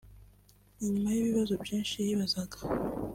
Inyuma y’ibibazo byinshi yibazaga